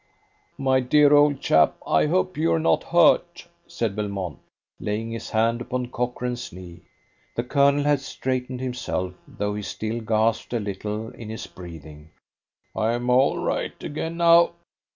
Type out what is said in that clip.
"My dear old chap, I hope you're not hurt?" said Belmont, laying his hand upon Cochrane's knee. The Colonel had straightened himself, though he still gasped a little in his breathing. "I am all right again, now.